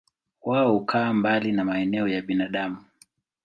Wao hukaa mbali na maeneo ya binadamu.